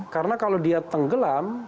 karena kalau dia tenggelam